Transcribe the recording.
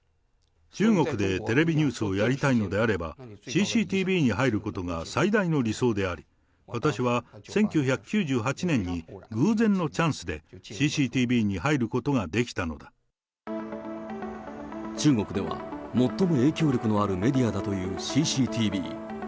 中国でテレビニュースをやりたいのであれば、ＣＣＴＶに入ることが最大の理想であり、私は１９９８年に偶然のチャンスでＣＣＴＶに入ることができたの中国では最も影響力のあるメディアだというＣＣＴＶ。